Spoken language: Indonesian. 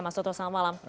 mas toto selamat malam